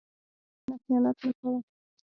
په ملګرتیا کښېنه، خیانت مه کوه.